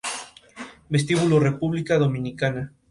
Vestíbulo República Dominicana